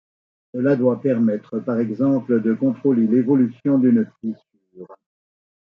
Cela doit permettre par exemple de contrôler l'évolution d'une fissure.